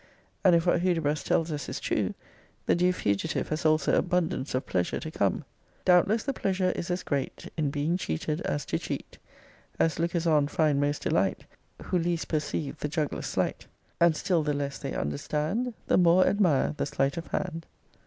And if what Hudibras tells us is true, the dear fugitive has also abundance of pleasure to come. Doubtless the pleasure is as great In being cheated, as to cheat. As lookers on find most delight, Who least perceive the juggler's sleight; And still the less they understand, The more admire the slight of hand.